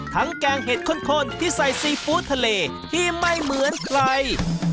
แกงเห็ดข้นที่ใส่ซีฟู้ดทะเลที่ไม่เหมือนใคร